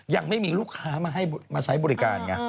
ยังไม่มีลูกค้ามาใช้บริการไง